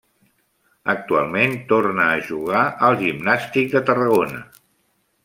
Actualment tornar a jugar al Gimnàstic de Tarragona.